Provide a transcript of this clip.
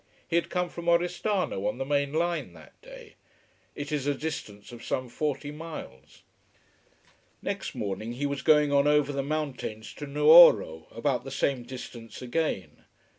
He had come from Oristano, on the main line, that day. It is a distance of some forty miles. Next morning he was going on over the mountains to Nuoro about the same distance again.